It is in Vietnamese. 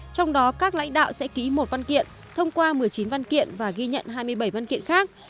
trong đó các lãnh đạo sẽ ký một văn kiện thông qua một mươi chín văn kiện và ghi nhận hai mươi bảy văn kiện khác